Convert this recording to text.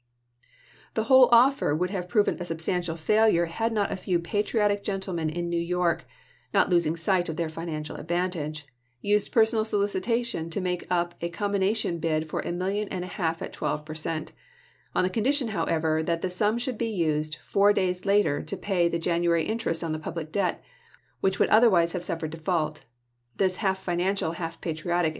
The whole offer would have proven a substantial failure had not a few patriotic gentlemen in New York (not losing sight of their financial advantage) used personal solicitation to make up a combina tion bid for a million and a half at twelve per cent., on the condition, however, that the sum should be used four days later to pay the January interest on the public debt, which would otherwise have suf w^ WMTT EATON \Xtt ELIHU B. AVASIIBUIiNK. THE CONSTITUTIONAL AMENDMENT 241 fered default. This half financial, half patriotic chap.